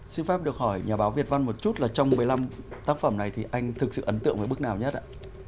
xin phép được hỏi nhà báo việt văn một chút là trong một mươi năm tác phẩm này thì anh thực sự ấn tượng với bước nào nhất ạ